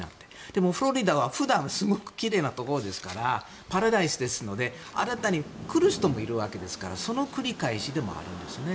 でもフロリダは普段すごく奇麗なところですからパラダイスですので新たに来る人もいるわけですからその繰り返しでもあるんですね。